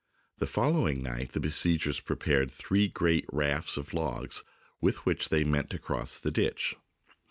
The following night the besiegers prepared three great rafts of logs with which they meant to cross the ditch.